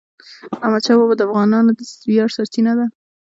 احمدشاه بابا د افغانانو د ویاړ سرچینه ده.